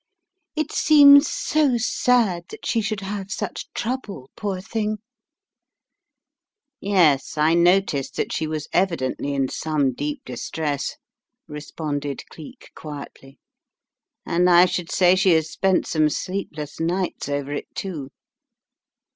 It seems so sad that she should have such trouble, poor thing !" "Yes, I noticed that she was evidently in some deep distress," responded Cleek, quietly, "and I should say she has spent some sleepless nights over it, too."